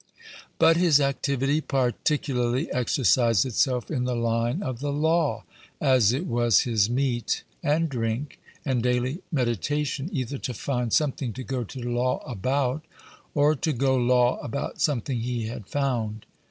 But his activity particularly exercised itself in the line of the law, as it was his meat, and drink, and daily meditation, either to find something to go to law about, or to go law about something he had found.